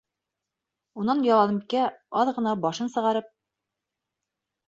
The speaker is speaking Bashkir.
Унан Яланбикә, аҙ ғына башын сығарып: